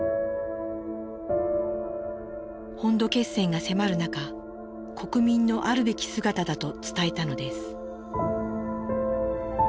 本土決戦が迫る中国民のあるべき姿だと伝えたのです。